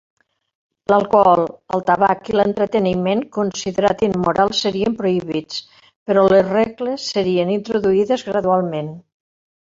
L'alcohol, el tabac i l'entreteniment considerat immoral serien prohibits, però les regles serien introduïdes gradualment.